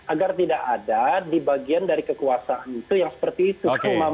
agar tidak ada di bagian dari kekuasaan itu yang seperti itu